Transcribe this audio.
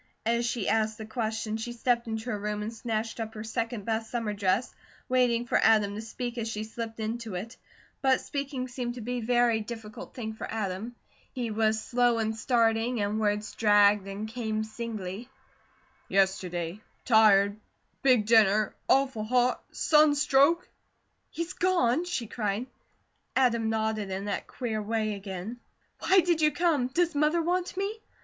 As she asked the question, she stepped into her room and snatched up her second best summer dress, waiting for Adam to speak as she slipped into it. But speaking seemed to be a very difficult thing for Adam. He was slow in starting and words dragged and came singly: "Yesterday tired big dinner awful hot sunstroke " "He's gone?" she cried. Adam nodded in that queer way again. "Why did you come? Does Mother want me?"